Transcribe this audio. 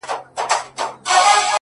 يوه نه ـدوې نه ـڅو دعاوي وكړو ـ